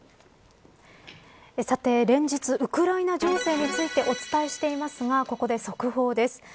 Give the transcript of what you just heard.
連日、ウクライナ情勢についてお伝えしていますがここで速報です。